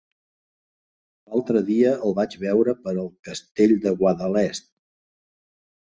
L'altre dia el vaig veure per el Castell de Guadalest.